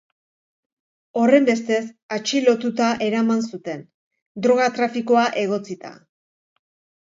Horrenbestez, atxilotuta eraman zuten, droga-trafikoa egotzita.